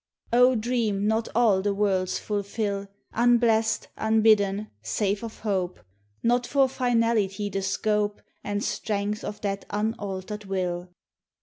O dream not all the worlds fulfill! Unblest, unbidden, save of hope. Not for finality the scope And strength of that unaltered Will.